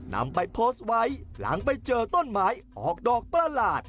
นำไปโพสต์ไว้หลังไปเจอต้นไม้ออกดอกประหลาด